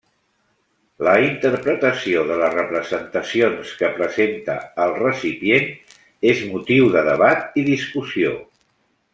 La interpretació de les representacions que presenta el recipient és motiu de debat i discussió.